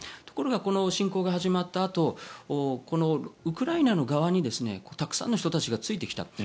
ところが侵攻が始まったあとこのウクライナの側にたくさんの人たちがついてきた。